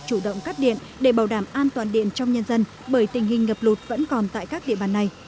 chủ động cắt điện để bảo đảm an toàn điện trong nhân dân bởi tình hình ngập lụt vẫn còn tại các địa bàn này